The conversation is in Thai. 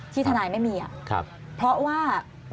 ที่ทนายไม่มีอ่ะเพราะว่าครับ